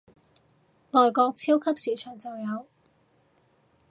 外國超級市場就有